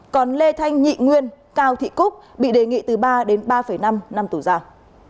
còn lê thanh nhị nguyên cao thị cúc bị đề nghị từ ba đến ba năm năm tù giảm